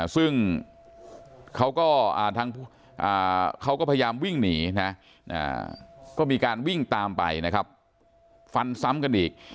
ซึ่งเขาก็พยายามวิ่งหนีมีการวิ่งตามไปฟันส้ำกันอีก